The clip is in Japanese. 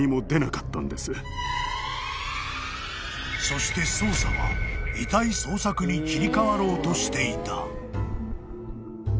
［そして捜査は遺体捜索に切り替わろうとしていた］